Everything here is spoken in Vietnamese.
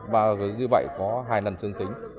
và như vậy có hai lần trường tính